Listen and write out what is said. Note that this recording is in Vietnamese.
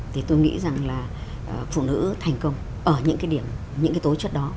thì tôi nghĩ rằng là phụ nữ thành công ở những cái điểm những cái tố chất đó